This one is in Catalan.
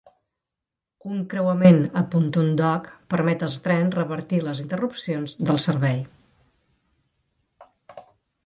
Un creuament a Pontoon Dock permet als trens revertir les interrupcions del servei.